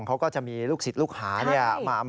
เขาก็จะมีลูกสิทธิ์ลูกหาเนี่ย